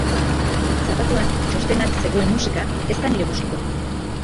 Zapatuan txostenan zegoen musika ez da nire gustukoa.